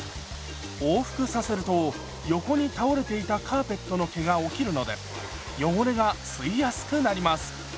往復させると横に倒れていたカーペットの毛が起きるので汚れが吸いやすくなります。